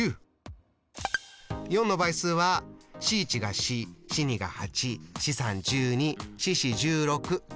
４の倍数は４１が４４２が８４３１２４４１６。